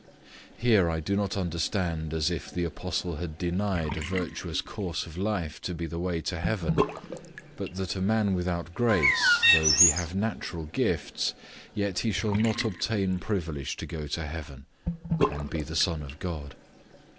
Here I do not understand as if the apostle had denied a virtuous course of life to be the way to heaven, but that a man without grace, though he have natural gifts, yet he shall not obtain privilege to go to heaven, and be the son of God.